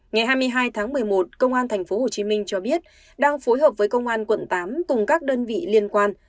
ngày hai mươi hai tháng một mươi một công an tp hcm cho biết đang phối hợp với công an quận tám cùng các đơn vị liên quan